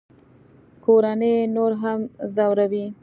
کورنۍ یې نور هم ځوروي